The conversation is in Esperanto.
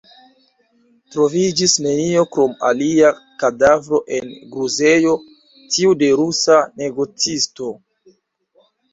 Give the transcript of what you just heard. Troviĝis nenio krom alia kadavro en gruzejo, tiu de rusa negocisto.